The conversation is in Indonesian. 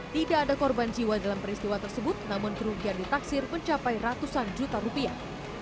tidak ada korban jiwa dalam peristiwa tersebut namun kerugian ditaksir mencapai ratusan juta rupiah